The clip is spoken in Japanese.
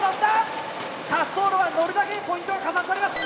滑走路はのるだけポイントが加算されます。